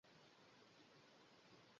Dijous na Cloè anirà al metge.